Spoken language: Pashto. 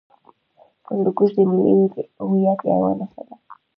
هندوکش د ملي هویت یوه نښه ده.